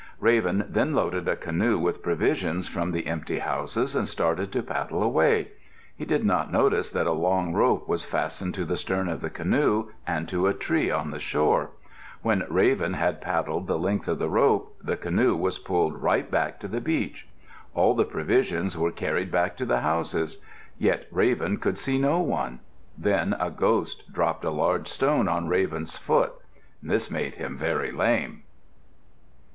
Raven then loaded a canoe with provisions from the empty houses and started to paddle away. He did not notice that a long rope was fastened to the stern of the canoe and to a tree on the shore. When Raven had paddled the length of the rope, the canoe was pulled right back to the beach. All the provisions were carried back to the houses. Yet Raven could see no one. Then a ghost dropped a large stone on Raven's foot. This made him very lame.